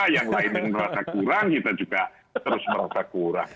yang lain yang merasa kurang kita juga terus merasa kurang